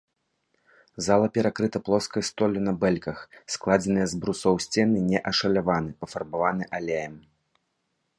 Зала перакрыта плоскай столлю на бэльках, складзеныя з брусоў сцены не ашаляваны, пафарбаваны алеем.